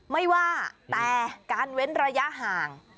ไม่ว่าแต่การเว้นระยะห่าง